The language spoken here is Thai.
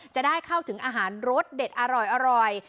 จะได้เข้าถึงอาหารรสเด็ดอร่อย